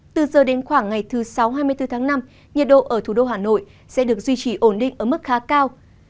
từ giờ đến khoảng ngày thứ sáu hai mươi bốn tháng năm nhiệt độ ở thủ đô hà nội sẽ được duy trì ổn định ở mức khá cao